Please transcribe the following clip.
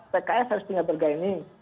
pks harus punya bergaining